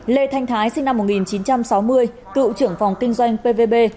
lê thanh thái sinh năm một nghìn chín trăm sáu mươi cựu trưởng phòng kinh doanh pvb